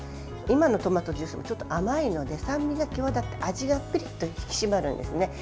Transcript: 今のトマトジュースちょっと甘いので酸味が際立って、味がピリッと引き締まるんですね。